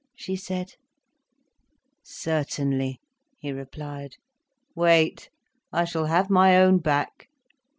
she said. "Certainly," he replied. "Wait! I shall have my own back."